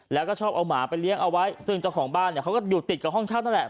แล้วก็ชอบเอาหมาไปเลี้ยงเอาไว้ซึ่งเจ้าของบ้านเนี่ยเขาก็อยู่ติดกับห้องเช่านั่นแหละ